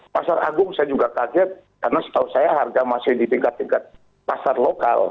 pasar agung saya juga kaget karena setahu saya harga masih di tingkat tingkat pasar lokal